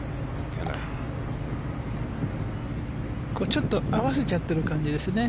ちょっと合わせちゃってる感じですね。